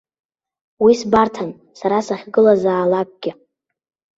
Уи сбарҭан сара сахьгылазаалакгьы.